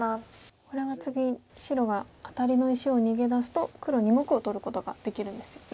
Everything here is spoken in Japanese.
これは次白がアタリの石を逃げ出すと黒２目を取ることができるんですよね。